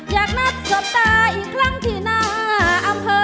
อยากนัดสบตาอีกครั้งที่หน้าอำเภอ